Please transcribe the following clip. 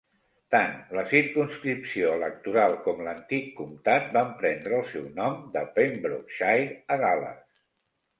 Tant la circumscripció electoral com l'antic comtat van prendre el seu nom de Pembrokeshire, a Gal·les.